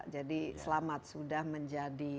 jadi selamat sudah menjadi istri